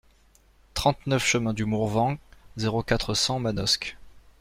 trente-neuf chemin du Mourvenc, zéro quatre, cent Manosque